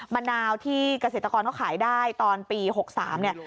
มะนาวที่เกษตรกรเขาขายได้ตอนปี๖๓เนี่ย